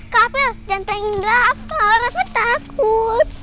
kapil jantan indra apa revet takut